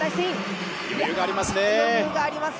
余裕がありますね。